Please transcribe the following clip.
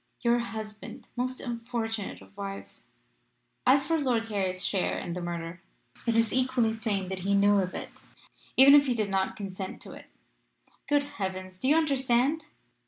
"'Your husband most unfortunate of wives! As for Lord Harry's share in the murder, it is equally plain that he knew of it, even if he did not consent to it. Good heavens! Do you understand?